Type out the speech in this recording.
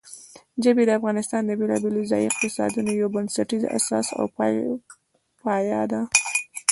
ژبې د افغانستان د بېلابېلو ځایي اقتصادونو یو بنسټیزه اساس او پایایه ده.